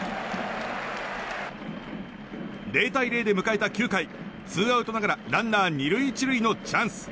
０対０で迎えた９回ツーアウトながらランナー２塁１塁のチャンス。